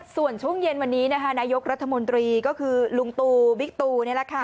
ส่วนช่วงเย็นวันนี้นะคะนายกรัฐมนตรีก็คือลุงตูบิ๊กตูนี่แหละค่ะ